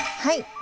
はい。